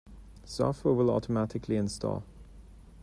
Software will automatically install.